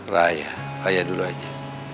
raya raya dulu aja